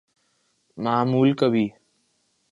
معمول کبھی ‘‘۔